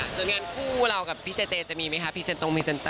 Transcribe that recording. ส่วนงานคู่เรากับพี่เจเจจะมีไหมคะพรีเซนตรงพรีเซนเตอร์